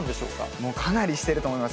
もうかなりしてると思います。